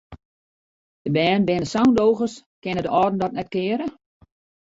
Dy bern binne sa ûndogens, kinne de âlden dat net keare?